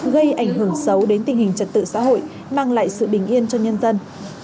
gây ảnh hưởng xấu đến tình hình trật tự xã hội mang lại sự bình yên cho nhân dân